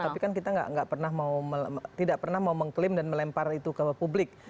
tapi kan kita tidak pernah mau mengklaim dan melempar itu ke publik